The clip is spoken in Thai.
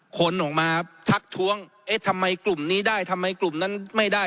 คนออกมาทักท้วงเอ๊ะทำไมกลุ่มนี้ได้ทำไมกลุ่มนั้นไม่ได้